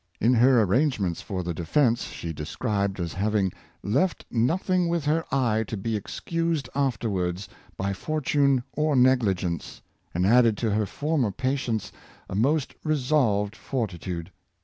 In her arrange ments for the defense, she is described as having " left nothing with her eye to be excused afterwards by for tune or negligence, and added to her former patience a most resolved fortitude.